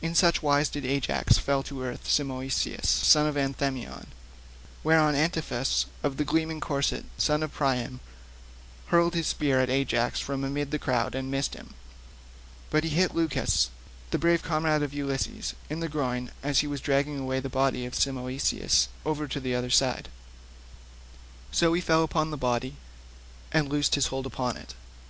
In such wise did Ajax fell to earth Simoeisius, son of Anthemion. Thereon Antiphus of the gleaming corslet, son of Priam, hurled a spear at Ajax from amid the crowd and missed him, but he hit Leucus, the brave comrade of Ulysses, in the groin, as he was dragging the body of Simoeisius over to the other side; so he fell upon the body and loosed his hold upon it.